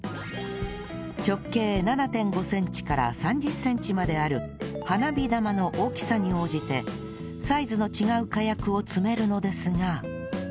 直径 ７．５ センチから３０センチまである花火玉の大きさに応じてサイズの違う火薬を詰めるのですが